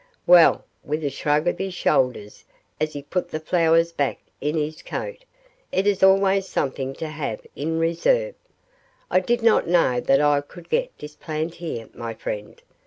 Well,' with a shrug of the shoulders as he put the flowers back in his coat, 'it is always something to have in reserve; I did not know that I could get this plant here, my friend.